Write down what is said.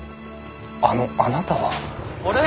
あのあなたは？あれ？